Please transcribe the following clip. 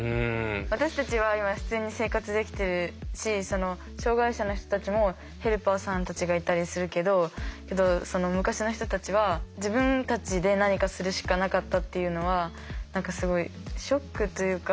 私たちは今普通に生活できてるし障害者の人たちもヘルパーさんたちがいたりするけど昔の人たちは自分たちで何かするしかなかったっていうのは何かすごいショックというか。